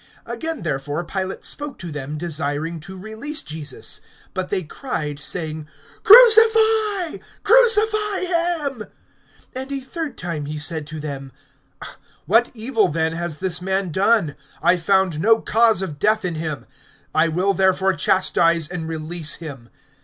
(20)Again, therefore, Pilate spoke to them, desiring to release Jesus. (21)But they cried, saying: Crucify, crucify him. (22)And a third time he said to them: What evil then has this man done? I found no cause of death in him. I will therefore chastise, and release him.